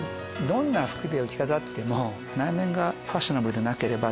どんな服で着飾っても内面がファッショナブルでなければ！